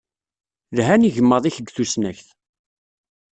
Lhan yigmaḍ-ik deg tusnakt.